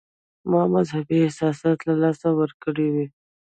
ما مذهبي احساسات له لاسه ورکړي وي.